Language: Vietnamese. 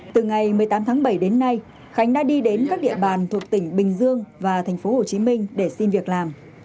từ ngày một mươi tám tháng bảy đến nay khánh đã đi đến các địa bàn thuộc tỉnh bình dương và thành phố hồ chí minh để xin việc làm